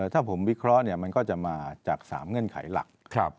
ถ้าผมวิเคราะห์มันก็จะมาจาก๓เงื่อนไขหลัก